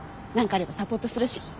何かあればサポートするし。